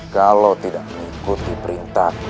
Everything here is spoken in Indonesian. kalau tidak mengikuti perintahmu